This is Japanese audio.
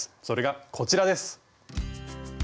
それがこちらです。